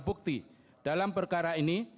bukti dalam perkara ini